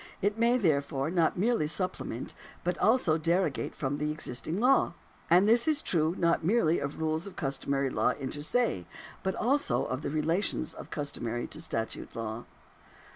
It may, therefore, not merely supple ment, but also derogate from the existing law. And this is true not merely of rules of customary law inter se, but also of the relations of customary to statute law."